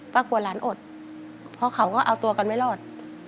กลัวหลานอดเพราะเขาก็เอาตัวกันไม่รอด